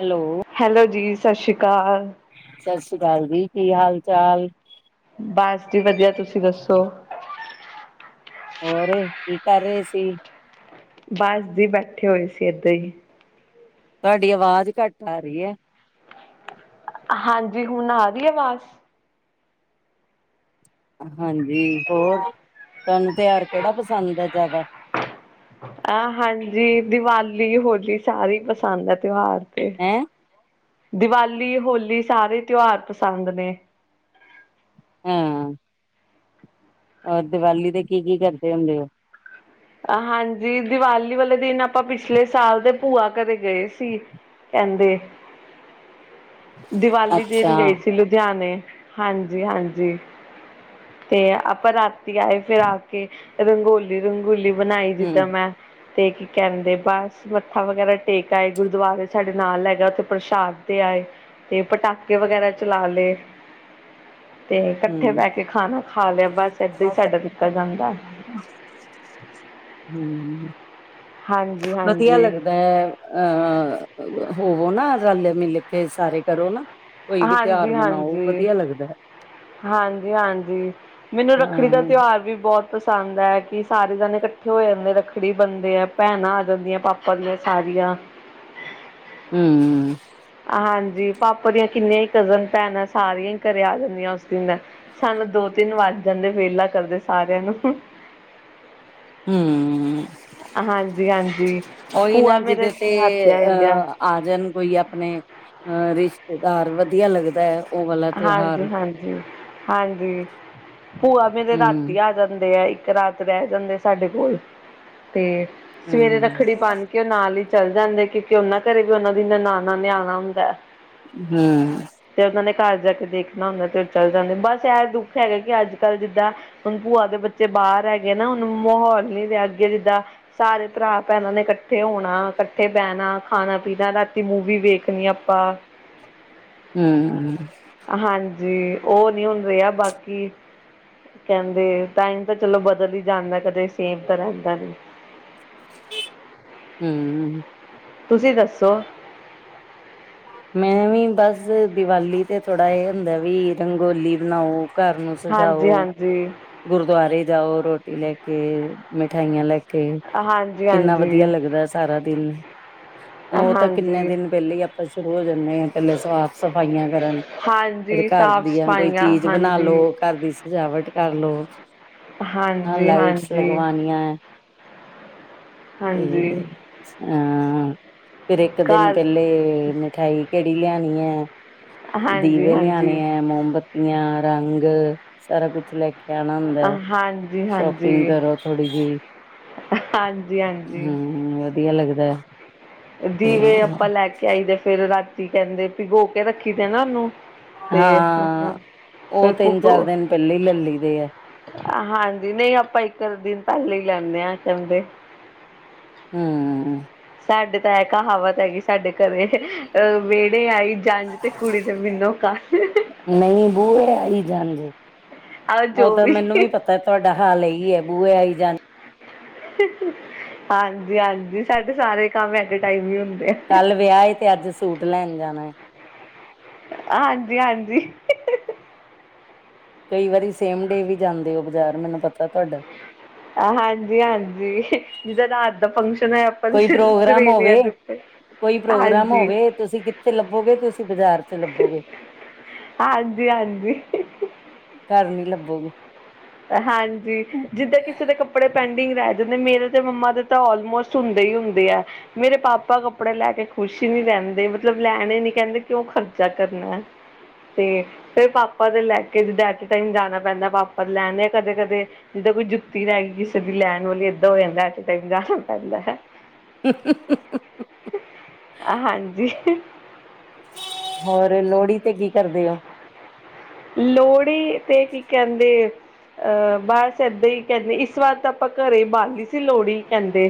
Hello. Hello ਜੀ। ਸਤਿ ਸ਼੍ਰੀ ਅਕਾਲ। ਸਤਿ ਸ਼੍ਰੀ ਅਕਾਲ ਜੀ। ਕੀ ਹਾਲ ਚਾਲ? ਬਸ ਜੀ ਵਧੀਆ। ਤੁਸੀਂ ਦੱਸੋ? ਹੋਰ ਐ ਕੀ ਕਰ ਰਹੇ ਸੀ। ਬੱਸ ਦੀ ਬੈਠੇ ਹੋਏ ਸੀ ਏਦਾਂ ਹੀ ਤੁਹਾਡੀ ਆਵਾਜ਼ ਘੱਟ ਆ ਰਹੀ ਹੈ। ਹਾਂਜੀ ਹੁਣ ਆ ਰਹੀ ਆਵਾਜ਼ ਹਾਂਜੀ, ਹੋਰ ਤੁਹਾਨੂੰ ਤਿਉਹਾਰ ਕਿਹੜਾ ਪਸੰਦ ਹੈ ਜ਼ਿਆਦਾ। ਆਹ ਹਾਂਜੀ ਦੀਵਾਲੀ, ਹੋਲੀ ਸਾਰੇ ਹੀ ਪਸੰਦ ਆ ਤਿਉਹਾਰ ਤੇ ਹੈਂ ਦੀਵਾਲੀ, ਹੋਲੀ, ਸਾਰੇ ਤਿਉਹਾਰ ਪਸੰਦ ਨੇ। ਹਾਂ। ਔਰ ਦੀਵਾਲੀ ਦੇ ਕੀ ਕੀ ਕਰਦੇ ਹੁੰਦੇ ਹੋ? ਹਾਂਜੀ, ਦੀਵਾਲੀ ਵਾਲੇ ਦਿਨ ਆਪਾਂ ਪਿਛਲੇ ਸਾਲ ਦੇ ਭੂਆ ਘਰੇ ਗਏ ਸੀ। ਕਹਿੰਦੇ ਦੀਵਾਲੀ ਦੇਣ ਅੱਛਾ, ਗਏ ਸੀ ਲੁ ਲੁਧਿਆਣੇ ਹਾਂਜੀ, ਹਾਂਜੀ। ਤੇ ਆਪਾਂ ਰਾਤੀ ਆਏ ਫੇਰ ਆ ਕੇ ਰੰਗੋਲੀ- ਰੰਗੂਲੀ ਬਣਾਈ ਹੂੰ ਜਿੱਦਾਂ ਮੈਂ ਤੇ ਕੀ ਕਹਿੰਦੇ ਬਸ ਮੱਥਾ ਵਗੈਰਾ ਟੇਕ ਆਏ ਗੁਰਦੁਆਰੇ ਸਾਡੇ ਨਾਲ ਹੈਗਾ। ਉੱਥੇ ਪ੍ਰਸ਼ਾਦ ਤੇ ਆਏ ਤੇ ਪਟਾਕੇ ਵਗੈਰਾ ਚਲਾ ਲਏ। ਤੇ ਇਕੱਠੇ ਹੂੰ। ਬਹਿ ਕੇ ਖਾਣਾ ਖਾ ਲਿਆ, ਬਸ ਏਦਾਂ ਹੀ ਸਾਡਾ ਨਿਕਲ ਜਾਂਦਾ। ਹ। [unintelligible] ਹਾਂਜੀ ਵਧੀਆ ਹਾਂਜੀ ਲੱਗਦਾ ਏਹ ਹੋਵੋ ਨਾ ਰਲ ਮਿਲ ਕੇ ਸਾਰੇ ਕਰੋ ਨਾ। ਕੋਈ ਵੀ ਤਿਉਹਾਰ ਹਾਂਜੀ, ਮਨਾਓ ਹਾਂਜੀ ਵਧੀਆ ਲੱਗਦਾ, ਹਾਂਜੀ, ਹਾਂਜੀ ਮੈਨੂੰ ਰੱਖੜੀ ਦਾ ਹਾਂ ਤਿਉਹਾਰ ਵੀ ਬਹੁਤ ਪਸੰਦ ਪਸੰਦ ਹੈ, ਕਿ ਸਾਰੇ ਜਾਣੇ ਇਕੱਠੇ ਹੋ ਜਾਂਦੇ ਰੱਖੜੀ ਬਨਦੇ ਐ। ਭੈਣਾਂ ਆ ਜਾਂਦੀਆਂ ਪਾਪਾ ਦੀਆਂ ਸਾਰੀਆਂ ਹੂੰ ਹਾਂਜੀ ਪਾਪਾ ਦੀਆਂ ਕਿੰਨੀਆਂ ਹੀ ਕਜ਼ਨ ਭੈਣਾਂ ਸਾਰੀਆਂ ਹੀ ਘਰੇ ਆ ਜਾਂਦੀਆਂ। ਉਸ ਦਿਨ ਸਾਨੂੰ ਦੋ ਤਿੰਨ ਵੱਜ ਜਾਂਦੇ ਵਿਹਲਾ ਕਰਦੇ ਸਾਰਿਆਂ ਨੂੰ ਹੂੰ ਹਾਂਜੀ, ਹਾਂਜੀ ਉਹੀ ਭੂਆ ਨਾ ਮੇਰੇ ਜਿਹਦੇ ਤੇ ਰਾਤੀ ਆ ਜਾਂਦੇ ਆ। ਅਹ ਆ ਜਾਣ ਕੋਈ ਆਪਣੇ ਅ ਰਿਸ਼ਤੇਦਾਰ ਵਧੀਆ ਲੱਗਦਾ ਹੈ। ਉਹ ਵਾਲਾ ਤਿਉਹਾਰ ਹਾਂਜੀ, ਹਾਂਜੀ, ਹਾਂਜੀ ਭੂਆ ਮੇਰੇ ਹਮ ਰਾਤੀ ਆ ਜਾਂਦੇ ਆ। ਇਕ ਰਾਤ ਰਹਿ ਜਾਂਦੇ ਸਾਡੇ ਕੋਲ ਤੇ ਸਵੇਰੇ ਹਮ ਰੱਖੜੀ ਬੰਨ ਕੇ ਨਾਲ ਹੀ ਚੱਲ ਜਾਂਦੇ। ਕਿਉਂਕਿ ਉਹਨਾਂ ਘਰੇ ਵੀ ਉਹਨਾਂ ਦੀਆ ਨਨਾਨਾ ਨੇ ਆਣਾ ਹੁੰਦਾ। ਹੂੰ ਤੇ ਉਹਨਾਂ ਨੇ ਘਰ ਜਾ ਕੇ ਦੇਖਣਾ ਹੁੰਦਾ ਤੇ ਉਹ ਚੱਲ ਜਾਂਦੇ। ਬਸ ਇਹ ਦੁੱਖ ਹੈਗਾ ਕਿ ਅੱਜ ਕੱਲ ਜਿੱਦਾਂ ਹੁਣ ਭੂਆ ਦੇ ਬੱਚੇ ਬਾਹਰ ਹੈਗੇ ਨਾ ਹੁਨ ਮਾਹੌਲ ਨੀ ਰਿਹਾ ਅੱਗੇ ਜਿੱਦਾਂ ਸਾਰੇ ਭਰਾ ਭੈਣਾਂ ਨੇ ਇਕੱਠੇ ਹੋਣਾ ਇਕੱਠੇ ਬਹਿਣਾ ਖਾਣਾ ਪੀਣਾ ਰਾਤੀ ਮੂਵੀ ਵੇਖਣੀ ਆਪਾਂ ਹੂੰ ਹਾਂਜੀ, ਉਹ ਨਈ ਹੁਣ ਰਿਹਾ ਬਾਕੀ ਕਹਿੰਦੇ ਟਾਈਮ ਤਾਂ ਚਲੋ ਬਦਲ ਹੀ ਜਾਂਦਾ ਕਦੇ ਸੇਮ ਤਾਂ ਰਹਿੰਦਾ ਨੀ। ਹੂੰ ਤੁਸੀਂ ਦੱਸੋ? ਮੈਂ ਵੀ ਬਸ ਦੀਵਾਲੀ ਤੇ ਥੋੜਾ ਇਹ ਹੁੰਦਾ ਵੀ ਰੰਗੋਲੀ ਬਣਾਉ ਘਰ ਨੂੰ ਹਾਂਜੀ ਸਜਾਓ, ਹਾਂਜੀ ਗੁਰਦੁਆਰੇ ਜਾਓ, ਰੋਟੀ ਲੈਕੇ, ਮਿਠਾਈਆਂ ਲੈਕੇ। ਕੇ ਹਾਂਜੀ ਕਿੰਨਾ ਵਧੀਆ ਹਾਂਜੀ ਲੱਗਦਾ ਸਾਰਾ ਦਿਨ। ਔਹ ਤਾਂ ਕਿੰਨੇ ਹਾਂਜੀ ਦਿਨ ਪਹਿਲੇ ਹੀ ਆਪਾਂ ਸ਼ੁਰੂ ਹੋ ਜਾਂਦੇ ਹਾਂ ਪਹਿਲੇ ਸਾਫ਼ ਸਫ਼ਾਈਆਂ ਕਰਨ ਫੇਰ ਹਾਂਜੀ ਘਰ ਸਾਫ਼ ਦੀਆਂ, ਕੋਈ ਸਫਾਈਆਂ ਚੀਜ਼ ਬਣਾ ਲੋ, ਹਾਂਜੀ ਘਰ ਦੀ ਸਜਾਵਟ ਕਰਲੋ ਨਾ ਹਾਂਜੀ ਲਾਈਟਸ ਹਾਂਜੀ ਲਗਵਾਣੀਆਂ ਐ ਤੇ ਹਾਂਜੀ ਹਾਂ, ਫੇਰ ਇੱਕ ਦਿਨ ਘਰ ਪਹਿਲੇ ਮਿਠਾਈ ਕੇੜੀ ਲਿਆਣੀ ਹੈ, ਹਾਂਜੀ ਦੀਵੇ ਹਾਂਜੀ ਲਿਆਣੇ ਹੈ, ਮੋਮਬੱਤ ਤੀਆਂ, ਰੰਗ ਸਾਰਾ ਕੁਛ ਲੈ ਕੇ ਜਾਣਾ ਹੁੰਦੈ, ਹਾਂਜੀ ਸ਼ੋਪਿੰਗ ਹਾਂਜੀ ਕਰੋ ਥੋੜੀ ਜਿਹੀ ਹਾਂਜੀ ਹਾਂਜੀ ਹਮ ਵਧੀਆ ਲੱਗਦਾ ਤੇ ਦੀਵੇ ਆਪਾਂ ਲੈ ਕੇ ਆਈ ਦੇ ਫਿਰ ਰਾਤੀ ਕਹਿੰਦੇ ਭਿਗੋ ਕੇ ਰੱਖੀ ਦੇ ਨਾ ਉਹਨੂੰ ਹਾਂ ਉਹ ਫਿਰ ਤਿੰਨ ਭੁਗੋ ਚਾਰ ਦਿਨ ਪੈਲੇ ਹੀ ਲੈਲੀ ਦੇ ਆ ਹਾਂਜੀ ਨਹੀਂ ਆਪਾਂ ਇੱਕ ਦਿਨ ਪੈਲੇ ਹੀ ਲੈਂਦੇ ਹਾਂ ਕਹਿੰਦੇ ਹਮਮ ਸਾਡੇ ਤਾਂ ਐ ਕਹਾਵਤ ਹੈਗੀ ਸਾਡੇ ਘਰੇ ਅਹ ਵਿਹੜੇ ਆਈ ਜੰਜ ਤੇ ਕੁੜੀ ਦੇ ਵਿਨੋ ਕੰਨ ਨਹੀਂ ਬੂਏ ਆਈ ਜੰਜ ਆਹ ਉਹ ਜੋ ਤਾਂ ਮੈਨੂੰ ਵੀ ਪਤਾ ਤੁਹਾਡਾ ਹਾਲ ਇ ਹੀ ਹੈ ਬੂਹੇ ਆਈ ਜਾਂ ਹਾਂਜੀ ਹਾਂਜੀ ਸਾਡੇ ਸਾਰੇ ਕੰਮ ਐਟ ਏ ਟਾਈਮ ਹੀ ਹੁੰਦੇ ਆ ਕੱਲ ਵਿਆਹ ਤੇ ਅੱਜ ਸੂਟ ਲੈਣ ਜਾਣਾ ਹੈ ਹਾਂਜੀ ਹਾਂਜੀ ਕਈ ਵਾਰੀ ਸੇਮ ਡੇ ਵੀ ਜਾਂਦੇ ਹੋ ਬਜ਼ਾਰ ਮੈਨੂੰ ਪਤਾ ਤੁਹਾਡਾ ਹਾਂਜੀ ਹਾਂਜੀ ਜਿਦਾ ਰਾਤ ਦਾ ਫੰਕਸ਼ਨ ਹੈਆ ਆਪਾਂ ਕੋਈ ਪ੍ਰੋਗਰਾਮ ਸਵੇਰੇ ਅ ਹੋਵੇ ਦੇ ਉੱਤੇ ਕੋਈ ਪ੍ਰੋਗਰਾਮ ਹੋਵੇ ਤੁਸੀਂ ਕਿੱਥੇ ਲੱਭੋਗੇ ਤੁਸੀਂ ਬਾਜ਼ਾਰ ਚ ਲੱਭੋਗੇ ਹਾਂਜੀ ਹਾਂਜੀ ਘਰ ਨੀ ਲੱਭੋਗੇ ਹਾਂਜੀ ਜਿੱਦਾਂ ਕਿਸੇ ਦੇ ਕੱਪੜੇ ਪੈਂਡਿੰਗ ਰੈ ਜਾਂਦੇ ਮੇਰੇ ਤੇ ਮੰਮਾ ਦੇ ਤਾਂ ਆਲਮੋਸਟ ਹੁੰਦੇ ਹੀ ਹੁੰਦੇ ਆ ਮੇਰੇ ਪਾਪਾ ਕੱਪੜੇ ਲੈ ਕੇ ਖੁਸ਼ ਹੀ ਨੀ ਰਹਿੰਦੇ ਮਤਲਬ ਲੈਣੇ ਨੀ ਕਹਿੰਦੇ ਕਿਉਂ ਖਰਚਾ ਕਰਨਾ ਤੇ ਫੇਰ ਪਾਪਾ ਦੇ ਲੈ ਕੇ ਜ ਐਟੇ ਟਾਈਮ ਜਾਣਾ ਪੈਂਦਾ ਪਾਪਾ ਲੈਣ ਆ ਕਦੇ ਕਦੇ ਜਿੱਦਾਂ ਕੋਈ ਜੁੱਤੀ ਰੈਣ ਗਈ ਕਿਸੇ ਦੀ ਲੈਣ ਵਾਲੀ ਏਦਾਂ ਹੋ ਜਾਂਦਾ ਐਟ ਏ ਟਾਈਮ ਜਾਣਾ ਪੈਂਦਾ ਹੈ ਹਾਂਜੀ ਹੋਰ ਲੋਹੜੀ ਤੇ ਕੀ ਕਰਦੇ ਹੋ? ਲੋਹੜੀ ਤੇ ਕੀ ਕੈਂਦੇ ਅਹ ਬਸ ਐਦਾਂ ਹੀ ਕਹਿੰਦੇ ਇਸ ਵਾਰ ਤਾ ਆਪਾਂ ਘਰੇ ਬਾਲਨੀ ਸੀ ਲੋਹੜੀ ਕਹਿੰਦੇ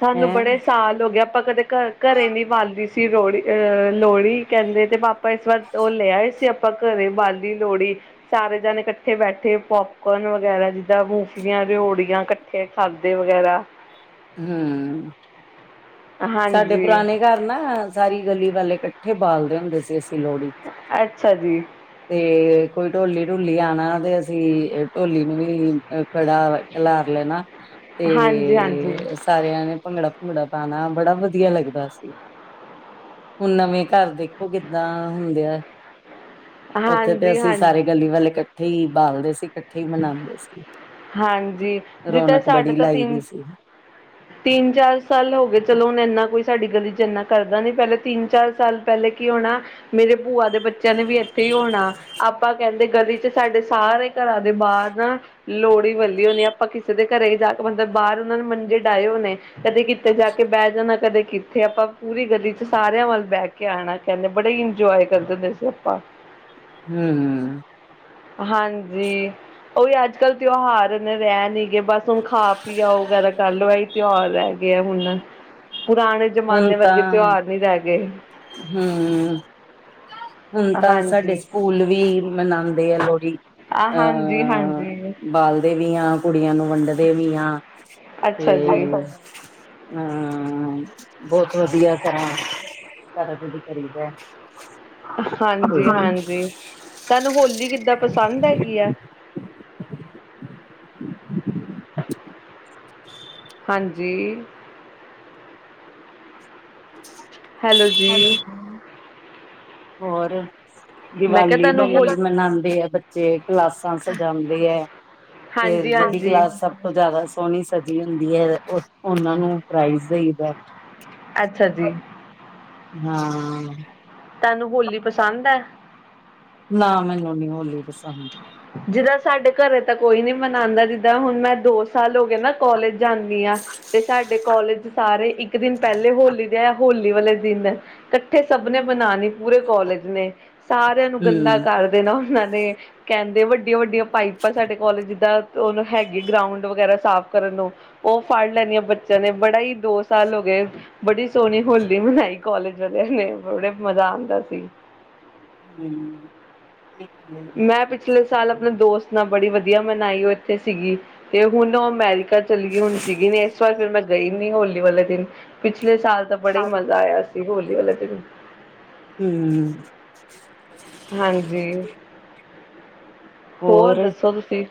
ਸਾਨੂੰ ਹੈਂ ਬੜੇ ਸਾਲ ਹੋ ਗਿਆ ਆਪਾ ਕਦੇ ਘਰ ਘਰੇ ਨੀ ਬਾਲਦੀ ਸੀ ਲੋਹੜੀ ਅਹ ਲੋਹੜੀ ਕਹਿੰਦੇ ਤੇ ਪਾਪਾ ਇਸ ਵਾਰ ਉਹ ਲੈ ਆ ਏ ਸੀ ਆਪਾਂ ਘਰੇ ਬਾਲੀ ਲੋੜੀ ਸਾਰੇ ਜਾਣੇ ਇਕੱਠੇ ਬੈਠੇ ਪੋਪਕੋਰਨ ਵਗੈਰਾ ਜਿੱਦਾਂ ਮੂਫੀਆਂ ਰੇਓੜੀਆਂ ਖਾਧੇ ਵਗੈਰਾ ਹੁੰ ਸਾਡੇ ਹਾਂਜੀ ਪੁਰਾਣੇ ਘਰ ਨਾ ਸਾਰੀ ਗਲੀ ਵਾਲੇ ਇਕੱਠੇ ਬਾਲਦੇ ਹੁੰਦੇ ਸੀ ਅਸੀਂ ਲੋਹੜੀ ਅੱਛਾ ਜੀ ਤੇ ਕੋਈ ਢੋਲੀ ਢੂਲੀ ਆਣਾ ਤੇ ਅਸੀਂ ਢੋਲੀ ਨੂੰ ਵੀ ਅ ਖੜਾ ਖਲਾਰ ਲੈ ਨਾ ਤੇ ਹਾਂਜੀ ਹਾਂਜੀ ਸਾਰਿਆਂ ਨੇ ਭੰਗੜਾ ਭੁੰਗੜਾ ਪਾਣਾ ਬੜਾ ਵਧੀਆ ਲੱਗਦਾ ਸੀ ਹੁਣ ਨਵੇਂ ਘਰ ਦੇਖੋ ਕਿੱਦਾਂ ਹੁੰਦੇ ਆ ਉੱਥੇ ਤੇ ਹਾਂਜੀ ਅਸੀਂ ਹਾਂ ਸਾਰੇ ਗਲੀ ਵਾਲੇ ਇਕੱਠੇ ਹੀ ਬਾਲਦੇ ਸੀ ਇਕੱਠੇ ਮਨਾਂਦੇ ਸੀ ਹਾਂਜੀ ਜਿੱਦਾਂ ਰੌਣਕ ਸਾਡੇ ਬੜੀ ਤਾਂ ਲਾਈ ਦੀਈ ਤਿੰਨ ਸੀ ਤਿੰਨ ਚਾਰ ਸਾਲ ਹੋ ਗਏ ਚਲੋ ਹੁਣ ਇੰਨਾ ਕੋਈ ਸਾਡੀ ਗਲੀ ਚ ਇੰਨਾ ਕਰਦਾ ਨੀ ਪੈਲੇ ਤਿੰਨ ਚਾਰ ਸਾਲ ਪੈਲੇ ਕੀ ਹੋਣਾ ਮੇਰੇ ਭੂਆ ਦੇ ਬੱਚੇਆਂ ਨੇ ਵੀ ਏਥੇ ਈ ਹੋਣਾ, ਆਪਾਂ ਕੈਂਦੇ ਗਲੀ ਚ ਸਾਡੇ ਸਾਰੇ ਘਰਾਂ ਦੇ ਬਾਰ ਨਾ ਲੋੜੀ ਵਲੀ ਹੋਣੀ ਆਪਾਂ ਕੀਸੇ ਦੇ ਘਰੇ ਈ ਜਾ ਕੇ ਮਲ ਬਾਰ ਓਨਾਂ ਨੂੰ ਮੰਜੇ ਡਾਏ ਹੋਣੇ ਨੇ ਕਦੇ ਕੀਤੇ ਜਾ ਕੇ ਬੈ ਜਾਣਾ ਕਦੇ ਕੀਥੇ ਆਪਾਂ ਪੂਰੀ ਗਲੀ ਚ ਸਾਰੇਆਂ ਵੱਲ ਬੈ ਕੇ ਆਣਾ ਕੈਂਦੇ ਬੜੇ ਈ ਈਜੌਏ ਕਰਦੇ ਹੁੰਦੇ ਸੀ ਆਪਾਂ। ਹੂੰ। ਹਾਂਜੀ ਓਈ ਅੱਜ-ਕੱਲ ਤੇਓਹਾਰ ਨੇ ਰੈ ਨੀ ਗਏ ਬਸ ਹੁਣ ਖਾ-ਪੀ ਆਓ ਵਗੈਰਾ ਕਰ ਲਓ ਐਈ ਤੇਓਹਾਰ ਰੈ ਗੇ ਹੁਨ ਪੁਰਾਣੇ ਜਮਾਨੇ ਵਰਗੇ ਤੇਓਹਾਰ ਨੀ ਰੈ ਗੇ ਹੂੰ ਹੁਤਾਂ ਸਾਡੇ ਹਾਂਜੀ ਸਕੂਲ ਵੀ ਮਨਾਂਦੇ ਆ ਲੋੜੀ, ਆ ਜੀ ਹਾਂਜੀ ਬਾਲਦੇ ਵੀ ਆ ਕੁੜੀਆਂ ਨੂੰ ਵੰਡਦੇ ਵੀ ਆ, ਅੱਛਾ ਤੇ ਜੀ ਆ, ਬੌਤ ਵਦੀਆ ਕਰਾ ਸਾਰਾ ਕੁਜ ਕਰੀਦੈ ਹਾਂਜੀ-ਹਾਂਜੀ ਧਾਨੂੰ ਹੋਲੀ ਕੀਦਾਂ ਪਸੰਦ ਹੈਗੀ ਆ? ਹਾਂਜੀ। ਹੈਲੋ ਜੀ। ਹੋਰ, ਮੈਂ ਕਿਹਾ ਦੀਵਾਲੀ ਤੁਹਾਨੂੰ ਵੀ ਹੋਲ ਮਨਾਂਦੇ ਆ ਬਚ ਚੇ ਕਲਾਸਾਂ ਸਜਾਂਦੇ ਐ, ਫੇਰ ਹਾਂਜੀ ਜੇਡੀ ਹਾਂਜੀ ਕਲਾਸ ਸਭ ਤੋਂ ਜਾਦਾ ਸੋਹਣੀ ਸਜੀ ਹੁੰਦੀ ਐ ਓਨਾਂ ਨੂੰ ਪ੍ਰਾਈਜ਼ ਦੇਈਦਾ। ਅੱਛਾ ਜੀ। ਹਾਂ ਤਾਨੂੰ ਹੋਲੀ ਪਸੰਦ ਐ? ਨਾ ਮੈਨੂੰ ਨੀ ਹੋਲੀ ਪਸੰਦ ਜੀਦਾਂ ਸਾਡੇ ਘਰੇ ਤਾਂ ਕੋਈ ਨੀ ਮਨਾਂਦਾ ਜੀਦਾਂ ਹੁਣ ਮੈਂ ਦੋ ਸਾਲ ਹੋ ਗੇ ਨਾ ਕੋਲਜ ਜਾਂਨੀ ਆ ਤੇ ਸਾਡੇ ਕੋਲਜ ਸਾਰੇ ਏਕ ਦੇਨ ਪੈਲੇ ਹੋਲੀ ਦੇ ਜਾ ਹੋਲੀ ਵਾਲੇ ਦੇਨ ਕੱਠੇ ਸਭ ਨੇ ਮਨਾਣੀ ਪੂਰੇ ਕੋਲਜ ਨੇ ਸਾਰੇਆਂ ਨੂੰ ਗੰਦਾ ਹਮ ਕਰ ਦੇਣਾ ਓਨਾਂ ਨੇ ਕੈਂਦੇ ਵੱਡੀਆਂ-ਵੱਡੀਆਂ ਪਾਈਪਾਂ ਸਾਡੇ ਕੌਲਜ ਜੀਦਾਂ ਓਨੂੰ ਹੈਗੀ ਗਰਾਊਂਡ ਵਗੈਰਾ ਸਾਫ਼ ਕਰਨ ਨੂੰ ਓਫੜ ਲੈਣੀਆਂ ਬੱਚੇਆਂ ਨੇ ਬੜਾ ਈ ਦੋ ਸਾਲ ਹੋ ਗੇ ਬੜੀ ਸੋਣੀ ਹੋਲੀ ਮਨਾਈ ਕੌਲਜ ਵਾਲੇਆਂ ਨੇ ਬੜੇ ਮਜ਼ਾ ਆਦਾ ਸੀ। ਹੂੰ ਮੈਂ ਪੀਛਲੇ ਸਾਲ ਆਪਣੇ ਦੋਸਤ ਨਾਲ ਬੜੀ ਵਦੀਆ ਮਨਾਈ ਓ ਏਥੇ ਸੀਗੀ, ਤੇ ਹੁਣ ਓ ਅਮੈਰਕ ਕਾ ਚਲੀ ਗਈ ਹੁਣ ਸੀਗੀ ਨ ਏਸ ਵਾਰ ਫੇਰ ਮੈਂ ਗਈ ਨੀ ਹੋਲੀ ਵਾਲੇ ਦੇਨ ਪੀਛਲੇ ਸਾਲ ਤਾਂ ਬੜਾ ਈ ਮਜ਼ਾ ਆਏਆ ਸੀ ਹੋਲੀ ਵਾਲੇ ਦੇਨ ਹੂੰ ਹਾਂਜੀ, ਹੋਰ ਦੱਸੋ ਤੁਸੀਂ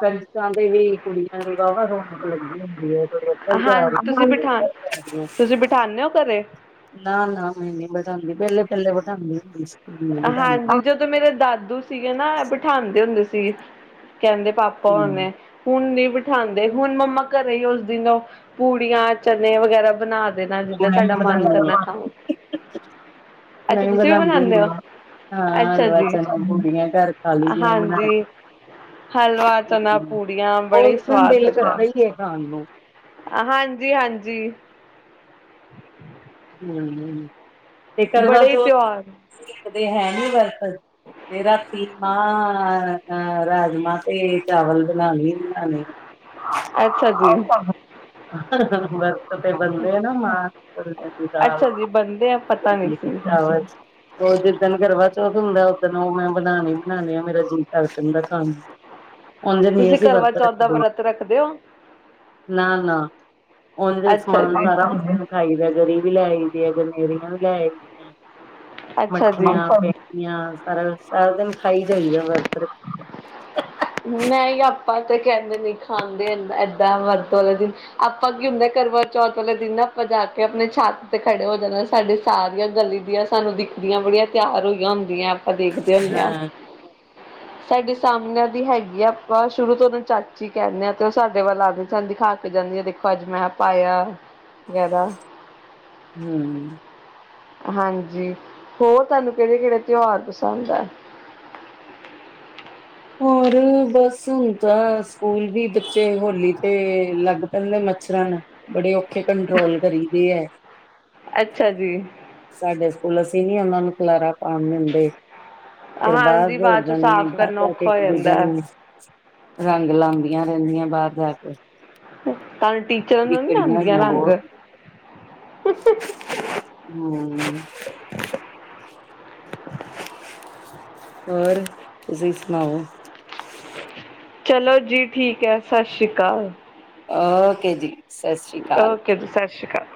ਕੰਜਕਾਂ ਤੇ ਵੀ ਕੁੜੀਆਂ ਨੂੰ ਵਾਵਾ ਰੌਣਕ ਲੱਗੀ ਹੁੰਦੀ ਔ ਵੇਲੇ ਹਾਂ ਤੁਸੀਂ ਬਿਠਾਨ ਤੁਸੀਂ ਬਿਠਾਨੇ ਹੋ ਘਰੇ [unintelligible] ਨਾ-ਨਾ ਮੈਂ ਨੀ ਬੇਠਾਂਦੀ ਪੈਲੇ-ਪੈਲੇ ਬੇਠਾਂਦੀ ਹੁੰਦੀ ਸੀ ਹੁਣ ਬਿਠਾਂਦੀ ਹਾਂਜੀ ਜਦੋਂ ਮੇਰੇ ਦਾਦੂ ਸੀਗੇ ਨਾ ਬੇਠਾਦੇ ਹੁੰਦੇ ਸੀਗੇ, ਕੈਂਦੇ ਪਾ ਹੂੰ ਭਵਾਨੇ ਹੁਣ ਨਈ ਬੀਠਾਂਦੇ ਹੁਣ ਮੰਮਾ ਘਰੇ ਈ ਓਸ ਦਿਨ ਪੂੜੀਆਂ ਚਨੇ ਵਗੈਰਾ ਬਣਾ ਨਾਲ ਜੀਦਾਂ ਮੈਂ ਸਾਡਾ ਵੀ ਮਨ ਬਣਾਨੀ ਕਰਨਾ ਆ ਖਾਓ, ਮੈਂ ਅੱਛਾ ਤੁਸੀਂ ਵੀ ਬਣਾਉਂਦੀ ਬਣਾਨੇ ਓ? ਹੁੰਦੀ ਆ ਹਾਂ ਹਲਵਾ, ਚਨਾ, ਪੂਰੀਆਂ ਘਰ ਖਾ ਲਈ ਦੀਆਂ ਬਣਾ ਹਾਂਜੀ ਕੇ। ਹਲਵਾ, ਚਨਾ, ਹੂੰ ਪੂਰੀਆਂ ਬੜਾ ਉਸ ਈ ਦਿਨ ਸਵਾਦ ਦਿਲ ਲਗਦੈ। ਕਰਦਾ ਹੀ ਹੈ ਖਾਣ ਨੂੰ ਹਾਂਜੀ ਹਾਂਜੀ। ਹੂੰ, ਤੇ ਬੜੇ ਹੀ ਕਰਵਾਚੌਥ ਤਿਉਹਾਰ ਤੇ ਰੱਖਦੇ ਹੈ ਨੀ ਵਰਤ। ਤੇ ਰਾਤੀ ਮ-ਰਾਜਮਾਂ ਤੇ ਚਾਵਲ ਬਨਾਲੇ ਅੱਛਾ ਜੀ [unintelligible] [inaudible] ਤੇ ਬਣਦੇ ਆ ਨਾ ਮਾਹ ਛੋਲੇ। ਅੱਛਾ ਜੀ ਬਣਦੇ ਆ ਪਤਾ ਨੀ ਸੀ। ਹੋਰ, ਔਰ ਜਿੱਦਣ ਕਰਵਾ ਚੌਥ ਹੁੰਦਾ ਓਦਨ ਓ ਮੈਂ ਬਣਾਣੇ ਈ ਬਨਾਣੇ ਆ ਮੇਰਾ ਜੀਅ ਕਰ ਜਾਂਦਾ ਖਾਣ ਨੂੰ। ਉੰਝ ਨੀ ਤੁਸੀਂ ਅਸੀਂ ਵਰਤ ਕਰਵਾਚੌਥ ਦਾ ਰੱਖਦੇ ਵਰਤ ਰੱਖਦੇ ਓ? ਨਾ ਨਾ ਉਹਦੇ ਅੱਛਾ ਸਮਾਨ ਜੀ ਸਾਰਾ [unintelligible] ਖਾਈ ਦਾ ਗਰੀ ਵੀ ਲੈ ਆਈ ਦੀ ਗਨੇਰੀਆਂ ਵੀ ਲੈ ਆਈ ਦੀਆਂ ਅੱਛਾ ਜੀ ਮੱਠੀਆਂ ਸਾਰਾ ਸਾਰਾ ਦਿਨ ਖਾਈ ਜਾਈਦਾ ਵਰਤ ਰੱਖੋ ਨਈ, ਆਪਾਂ ਤੇ ਕਹਿੰਦੇ ਨੀ ਖਾਂਦੇ ਏ ਏ ਤਾਂ ਵਰਤ ਵਾਲਾ ਦਿਨ ਆਪਾਂ ਕੀ ਹੁੰਦਾ ਕਰਵਾ ਚੌਥ ਵਾਲੇ ਦਿਨ ਨਾ ਆਪਾਂ ਜਾ ਕੇ ਆਪਣੇ ਛੱਤ ਤੇ ਖੜੇ ਹੋ ਜਾਣਾ ਸਾਡੀ ਸਾਰੀਆਂ ਗਲੀ ਦੀਆਂ ਸਾਨੂੰ ਦਿਖਦੀਆਂ ਬੜੀਆਂ ਤਿਆਰ ਹੋਈਆਂ ਹੁੰਦੀਆਂ। ਆਪਾਂ ਦੇਖਦੇ ਹੁੰਨੇ ਆ ਹਾਂ ਸਾਡੇ ਸਾਹਮਣੇ ਦੀ ਹੈਗੀ ਆ ਸ਼ੁਰੂ ਤੋਂ ਉਹਨੂੰ ਚਾਚੀ ਕਹਿਣੇ ਆ ਤੇ ਓ ਸਾਡੇ ਵੱਲ ਆਕੇ ਸਾਨੂੰ ਦਿਖਾ ਕੇ ਜਾਂਦੀ ਆ ਦੇਖੋ ਅੱਜ ਮੈਂ ਪਾਇਆ [unintelligible] ਹੂੰ। ਹਾਂਜੀ, ਹੋਰ ਤੁਹਾਨੂੰ ਕਿਹੜੇ ਕਿਹੜੇ ਤਿਉਹਾਰ ਪਸੰਦ ਆ। ਹੋਰ ਬਸ ਹੁਨ ਤਾਂ ਸਕੂਲ ਵੀ ਬੱਚੇ ਹੋਲੀ ਤੇ ਲੱਗ ਪੈਂਦੇ ਮੱਛਰਨ ਬੜੇ ਔਖੇ ਕੰਟਰੋਲ ਕਰੀਦੇ ਐ। ਅੱਛਾ ਜੀ। ਸਾਡੇ ਸਕੂਲ ਅਸੀਂ ਨੀ ਉਹਨਾਂ ਨੂੰ ਖਲਾਰਾ ਪਾਉਣ ਦਿੰਦੇ ਫਿਰ ਬਾਹਰ ਹਾਂਜੀ ਦੌੜ ਬਾਅਦ ਚੋਂ ਜਾਂਦੇ ਆ ਸਾਫ਼ ਬਾਹਰ ਕਰਨਾ ਜਾ ਕੇ ਔਖਾ ਹੋ ਇੱਕ ਦੂਜੇ ਜਾਂਦਾ ਹੈ ਨੂੰ ਰੰਗ ਲਾਂਦੀਆਂ ਰਹਿੰਦੀਆਂ ਬਾਹਰ ਜਾ ਕੇ। ਤੁਹਾਨੂੰ ਟੀਚਰਾਂ ਨੂੰ ਨੀ ਵਿਗੜੀਆਂ ਲਾਂਦੀਆਂ ਹੋਈਆਂ ਰੰਗ। ਬਹੁਤ [inaudible] ਹੂੰ। ਹੋਰ ਤੁਸੀਂ ਸੁਣਾਓ? ਚਲੋ ਜੀ ਠੀਕ ਐ ਸਤਿ ਸ਼੍ਰੀ ਕਾਲ। ਓਕੇ ਜੀ। ਸਤਿ ਸ੍ਰੀ ਅਕਾਲ ਓਕੇ ਜੀ ਸ਼ਾਸੀ ਸ਼੍ਰੀ ਕਾਲ।